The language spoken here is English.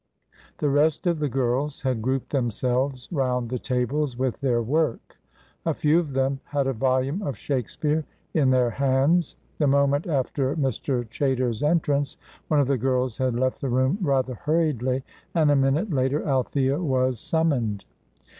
The rest of the girls had grouped themselves round the tables with their work. A few of them had a volume of Shakespeare in their hands. The moment after Mr. Chaytor's entrance one of the girls had left the room rather hurriedly, and a minute later Althea was summoned.